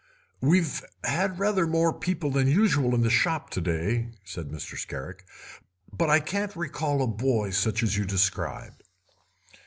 "We've had rather more people than usual in the shop to day," said Mr. Scarrick, "but I can't recall a boy such as you describe."